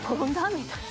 みたいな。